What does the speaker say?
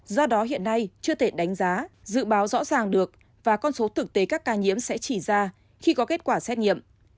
do đó hiện nay chưa thể đánh giá dự báo rõ ràng được và con số thực tế các ca nhiễm sẽ chỉ ra khi có kết quả xét nghiệm